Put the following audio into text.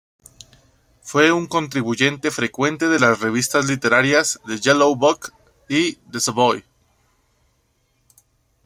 Fue un contribuyente frecuente de las revistas literarias "The Yellow Book" y "The Savoy".